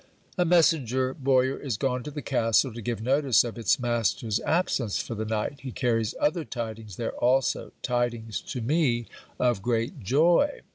A messenger, Boyer, is gone to the castle, to give notice of its master's absence for the night. He carries other tidings there also: tidings to me of great joy.